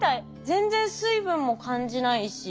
全然水分も感じないし。